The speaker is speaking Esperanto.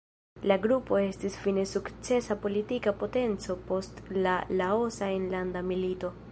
La grupo estis fine sukcesa politika potenco post la Laosa Enlanda Milito.